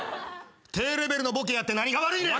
低レベルのボケやって何が悪いねん！